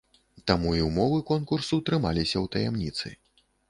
Таму і ўмовы конкурсу трымаліся ў таямніцы.